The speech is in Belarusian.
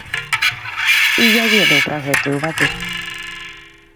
І я ведаў пра гэтую ваду.